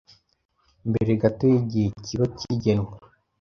mbere gato y’igihe kiba kigenwe,